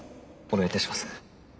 お願いいたします。